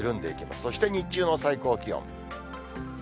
そして日中の最高気温。